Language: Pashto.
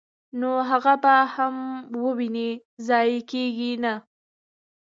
نو هغه به هم وويني، ضائع کيږي نه!!.